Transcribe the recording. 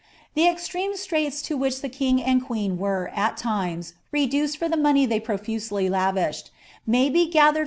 * The extreme straits to which the king and queen were, at times, teduced for the money they profusely lavished, may be gathered from » M.